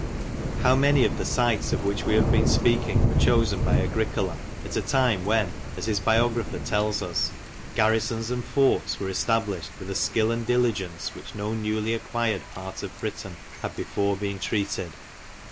How many of the sites of which we have been speaking were chosen by Agricola at a time when, as his biographer tells us, " garrisons and forts were established with a skill and diligence with which no newly acquired part of Britain had before been treated